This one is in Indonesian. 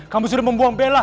kamu sudah membuang bella